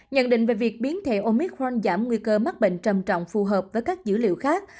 nhận định về việc biến thể omic fron giảm nguy cơ mắc bệnh trầm trọng phù hợp với các dữ liệu khác